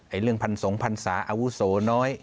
เรื่องพันสองพันศาอาวุโสน้อย